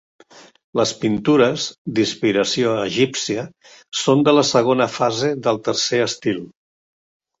Les pintures, d'inspiració egípcia, són de la segona fase del tercer estil.